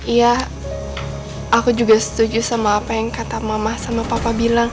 iya aku juga setuju sama apa yang kata mama sama papa bilang